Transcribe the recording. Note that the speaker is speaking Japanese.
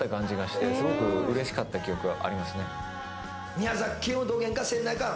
「宮崎県をどげんかせんないかん」